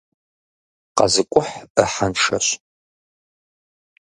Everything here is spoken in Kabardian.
КъэзыкӀухь Ӏыхьэншэщ.